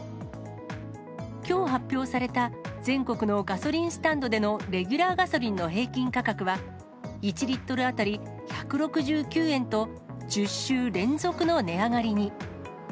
きょう発表された全国のガソリンスタンドでのレギュラーガソリンの平均価格は、１リットル当たり１６９円と、１０週連続の値上がりに。